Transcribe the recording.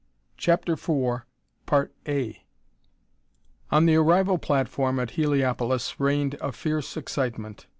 CHAPTER IV On the arrival platform at Heliopolis reigned a fierce excitement.